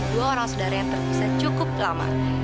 dua orang saudara yang terpisah cukup lama